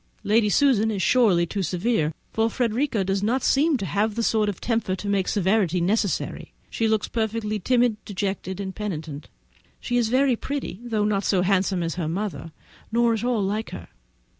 Lady Susan is surely too severe, for Frederica does not seem to have the sort of temper to make severity necessary. She looks perfectly timid, dejected, and penitent. She is very pretty, though not so handsome as her mother, nor at all like her.